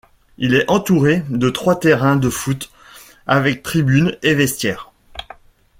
Il est entouré de trois terrains de foot avec tribune et vestiaires.